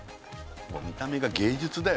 もう見た目が芸術だよね